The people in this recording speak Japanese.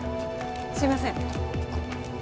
すいません